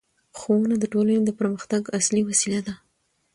ښوونه د ټولنې د پرمختګ اصلي وسیله ده